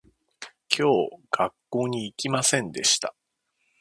今日学校に行きませんでした